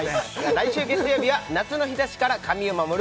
来週月曜日は夏の日差しから髪を守る